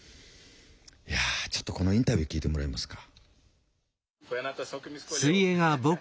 いやちょっとこのインタビュー聞いてもらえますか？